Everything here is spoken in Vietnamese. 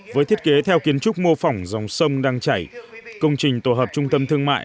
với thiết kế theo kiến trúc mô phỏng dòng sông đang chảy công trình tổ hợp trung tâm thương mại